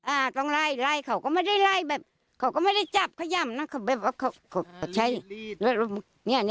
อ้าต้องไล่ไล่ก็ก็ไม่ได้ไล่ก็ไม่ได้จับเคย่ำนะ